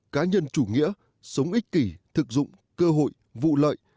cá nhân chủ nghĩa sống ích kỷ thực dụng cơ hội vụ lợi